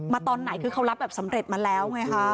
ตอนไหนคือเขารับแบบสำเร็จมาแล้วไงคะ